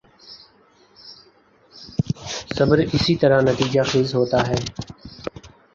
صبر اسی طرح نتیجہ خیز ہوتا ہے۔